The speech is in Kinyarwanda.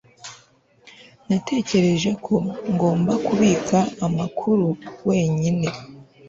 Natekereje ko ngomba kubika amakuru wenyine